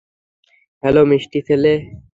Hello, মিষ্টি ছেলে।